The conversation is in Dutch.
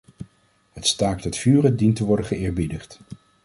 Het staakt-het-vuren dient te worden geëerbiedigd.